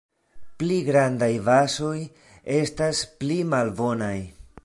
Pli grandaj bazoj estas pli malbonaj.